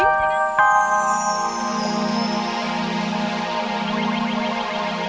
sampai jumpa lagi